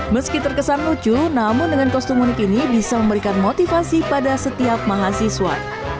meski terkesan lucu namun dengan kostum unik ini bisa memberikan motivasi pada setiap mahasiswa